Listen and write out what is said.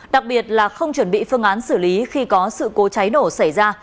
đặc biệt là không chuẩn bị phương án xử lý khi có sự cố cháy nổ xảy ra